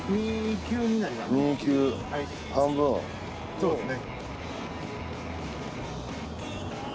そうですね。